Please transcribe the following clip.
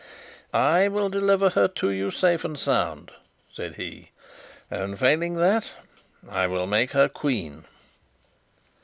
"I will deliver her to you safe and sound," said he, "and, failing that, I will make her queen."